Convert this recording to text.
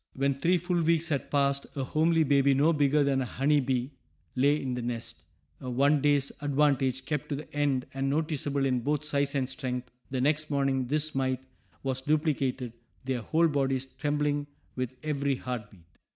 When three full weeks had passed a homely baby no bigger than a honey bee lay in the nest, a one day's advantage kept to the end, and noticeable in both size and strength. The next morning this mite was duplicated, their whole bodies trembling with every heart beat.